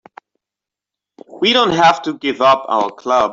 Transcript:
We don't have to give up our club.